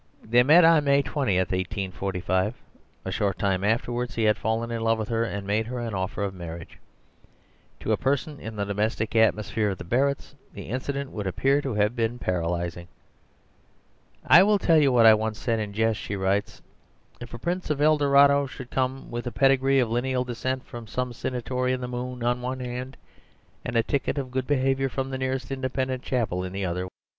They met on May 20, 1845. A short time afterwards he had fallen in love with her and made her an offer of marriage. To a person in the domestic atmosphere of the Barretts, the incident would appear to have been paralysing. "I will tell you what I once said in jest ..." she writes, "If a prince of El Dorado should come with a pedigree of lineal descent from some signory in the moon in one hand and a ticket of good behaviour from the nearest Independent chapel in the other!